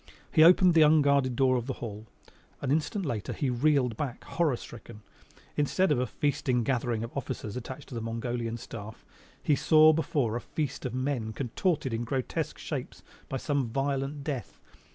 He opened the unguarded door of the hall. An instant later he reeled back horror stricken. Instead of a feasting gathering of officers attached to the Mongolian Staff he saw before a feast of men contorted in grotesque shapes by some violent death.